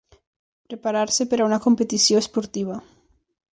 Preparar-se per a una competició esportiva.